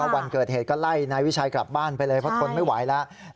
วันเกิดเหตุก็ไล่นายวิชัยกลับบ้านไปเลยเพราะทนไม่ไหวแล้ว